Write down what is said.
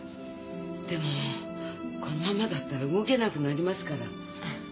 でもこのままだったら動けなくなりますから。